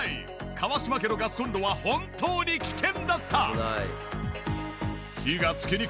川島家のガスコンロは本当に危険だった！